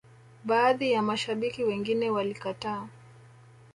baadhi ya mashabiki wengine walikataa